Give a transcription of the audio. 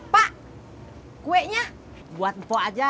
pak kuenya buat mpok aja